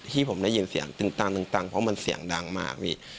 ที่ผมได้ยินเสียงตึงตังตึงตังเพราะมันเสียงดังมากพี่